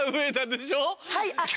はい！